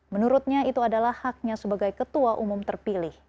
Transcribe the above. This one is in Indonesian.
menurutnya itu adalah haknya sebagai ketua umum terpilih